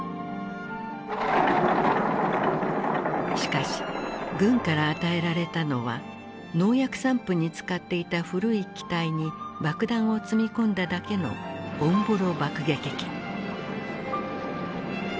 しかし軍から与えられたのは農薬散布に使っていた古い機体に爆弾を積み込んだだけのオンボロ爆撃機。